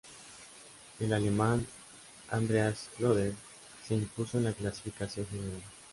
El alemán Andreas Klöden se impuso en la clasificación general.